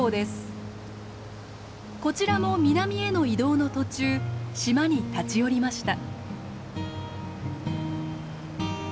こちらも南への移動の途中島に立ち寄りました。